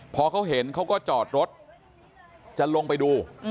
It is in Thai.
พอเขาเห็นเขาก็จอดรถจะลงไปดู